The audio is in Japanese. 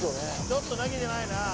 「ちょっと逃げてないな」